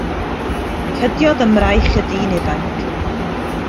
Cydiodd ym mraich y dyn ifanc.